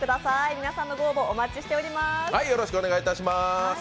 皆さんのご応募、お待ちしています